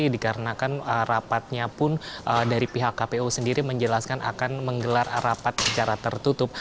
dikarenakan rapatnya pun dari pihak kpu sendiri menjelaskan akan menggelar rapat secara tertutup